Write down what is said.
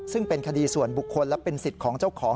ซึ่งเป็นคดีส่วนบุคคลและเป็นสิทธิ์ของเจ้าของ